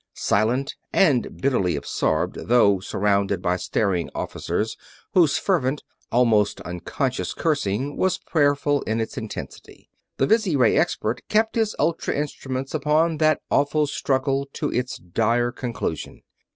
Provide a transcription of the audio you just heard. Silent and bitterly absorbed, though surrounded by staring officers whose fervent, almost unconscious cursing was prayerful in its intensity, the visiray expert kept his ultra instruments upon that awful struggle to its dire conclusion.